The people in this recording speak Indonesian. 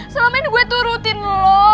selama ini gue tuh rutin lo